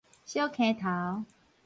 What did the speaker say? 小坑頭